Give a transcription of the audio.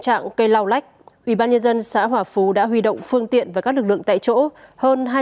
trong đảo cây lao lách ubnd xã hòa phú đã huy động phương tiện và các lực lượng tại chỗ hơn hai trăm linh